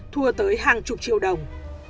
thua tới hàng chục triệu đồng